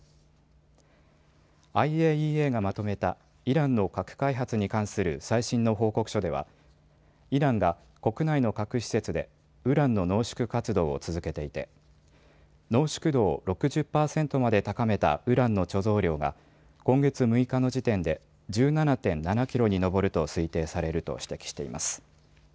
ＩＡＥＡがまとめたイランの核開発に関する最新の報告書ではイランが国内の核施設でウランの濃縮活動を続けていて濃縮度を６０％まで高めたウランの貯蔵量が今月６日の時点で１７．７キロに上ると推定されると指摘しています。